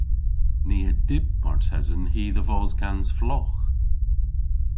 Ni a dyb martesen hi dhe vos gans flogh.